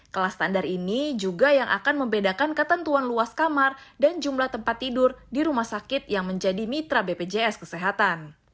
kelas standar ini juga yang akan membedakan ketentuan luas kamar dan jumlah tempat tidur di rumah sakit yang menjadi mitra bpjs kesehatan